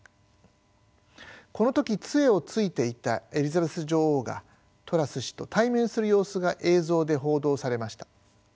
この時杖をついていたエリザベス女王がトラス氏と対面する様子が映像で報道されました。